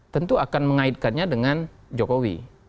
tentu akan mengaitkannya dengan jokowi